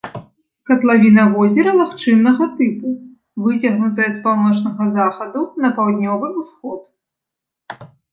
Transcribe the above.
Катлавіна возера лагчыннага тыпу, выцягнутая з паўночнага захаду на паўднёвы ўсход.